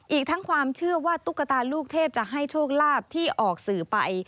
อีกทั้งความเชื่อว่าตุ๊กตาลูกเทพจะให้โชคลาภที่ออกสื่อไป